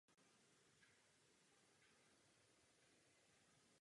Tato verze nesla modernější protilodní střely a silnější dělovou výzbroj.